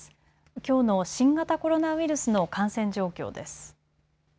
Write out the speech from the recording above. きょうの新型コロナウイルスの感染状況です。